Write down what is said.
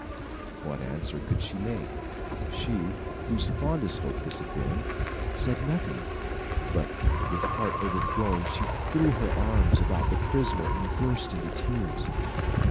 What answer could she make? She, whose fondest hope this had been, said nothing; but, with heart overflowing, she threw her arms about the prisoner and burst into tears.